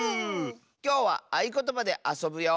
きょうはあいことばであそぶよ！